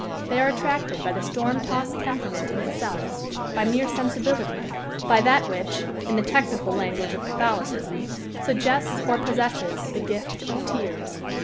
They are attracted by the storm tossed temperament in itself; by mere sensibility; by that which, in the technical language of Catholicism, suggests or possesses "the gift of tears."